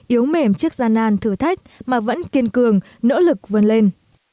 yếu mềm trước gian nan thử thách mà vẫn kiên cường nỗ lực vươn lên